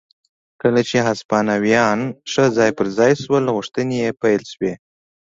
کله چې هسپانویان ښه ځای پر ځای شول غوښتنې یې پیل شوې.